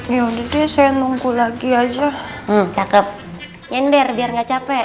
yaudah deh saya nunggu lagi aja cakep nyender biar nggak capek